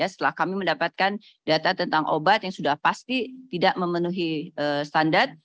setelah kami mendapatkan data tentang obat yang sudah pasti tidak memenuhi standar